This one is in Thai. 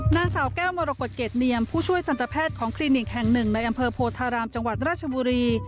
นางสาวแก้วมรกฏเกรดเนียมผู้ช่วยทันตแพทย์ของคลินิกแห่งหนึ่งในอำเภอโพธารามจังหวัดราชบุรี